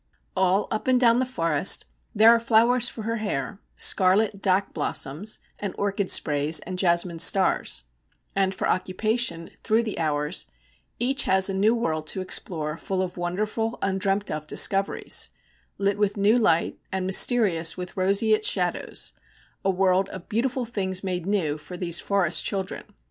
All up and down the forest there are flowers for her hair, scarlet dak blossoms and orchid sprays and jasmine stars; and for occupation through the hours each has a new world to explore full of wonderful undreamt of discoveries, lit with new light and mysterious with roseate shadows, a world of 'beautiful things made new' for those forest children.